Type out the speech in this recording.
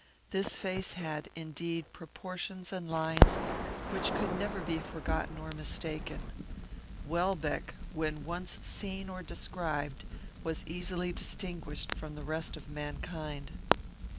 This face had, indeed, proportions and lines which could never be forgotten or mistaken. Welbeck, when once seen or described, was easily distinguished from the rest of mankind.